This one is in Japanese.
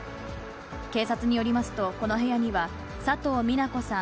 警察によりますと、この部屋には佐藤美奈子さん